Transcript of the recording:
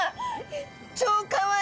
超かわいい！